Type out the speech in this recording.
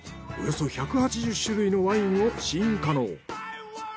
およそ１８０種類のワインを試飲可能。